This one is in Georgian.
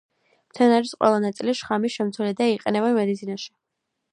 მცენარის ყველა ნაწილი შხამის შემცველია და იყენებენ მედიცინაში.